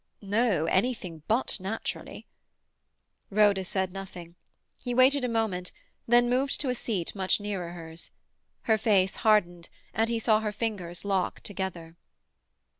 "No; anything but naturally." Rhoda said nothing. He waited a moment, then moved to a seat much nearer hers. Her face hardened, and he saw her fingers lock together.